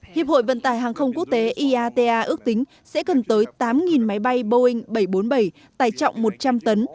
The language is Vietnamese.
hiệp hội vận tải hàng không quốc tế iata ước tính sẽ cần tới tám máy bay boeing bảy trăm bốn mươi bảy tài trọng một trăm linh tấn